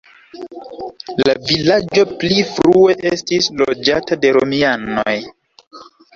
La vilaĝo pli frue estis loĝata de romianoj.